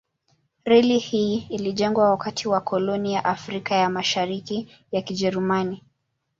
Reli hii ilijengwa wakati wa koloni ya Afrika ya Mashariki ya Kijerumani.